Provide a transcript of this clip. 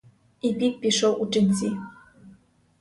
І піп пішов у ченці.